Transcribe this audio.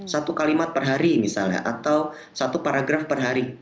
satu kalimat per hari misalnya atau satu paragraf per hari